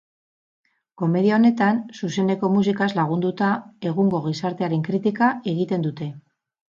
Komedia honetan, zuzeneko musikaz lagunduta, egungo gizartearen kritika egiten dute.